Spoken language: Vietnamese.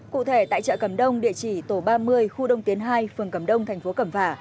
cụ thể tại chợ cầm đông địa chỉ tổ ba mươi khu đông tiến hai phường cẩm đông thành phố cẩm phả